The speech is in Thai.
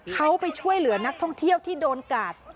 เขาไปช่วยเหลือนักท่องเที่ยวที่โดนกาด